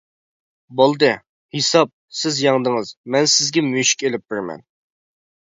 بولدى، ھېساب، سىز يەڭدىڭىز، مەن سىزگە مۈشۈك ئېلىپ بېرىمەن!